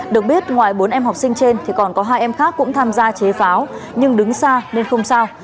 được biết ngoài bốn em học sinh trên thì còn có hai em khác cũng tham gia chế pháo nhưng đứng xa nên không sao